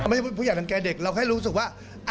ไม่ใช่ผู้ใหญ่ทางแก่เด็กเราแค่รู้สึกว่า